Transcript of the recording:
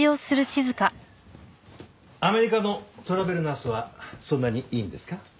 アメリカのトラベルナースはそんなにいいんですか？